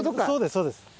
そうですそうです。